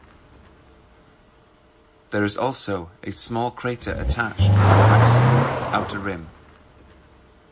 There is also a small crater attached to the western outer rim.